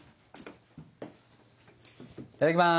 いただきます！